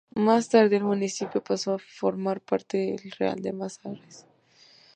Más tarde, el municipio pasó a formar parte del Real de Manzanares.